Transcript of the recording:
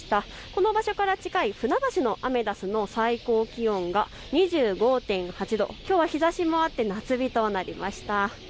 この場所から近い船橋のアメダスの最高気温が２５．８度、きょうは日ざしもあって夏日となりました。